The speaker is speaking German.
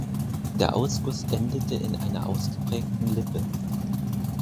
Der Ausguss endete in einer ausgeprägten Lippe.